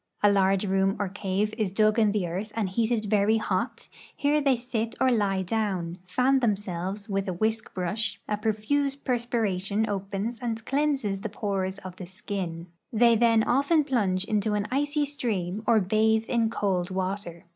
A large room or cave is dug in the earth and heated very hot ; here they sit or lie doAvn ; fan themselves Avith a Avhisk brush ; a profuse perspiration opens and cleanses the pores of the skin ; they then often plunge into an icy stream or bathe in cold Avater.